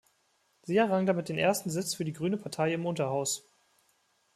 Sie errang damit den ersten Sitz für die Grüne Partei im Unterhaus.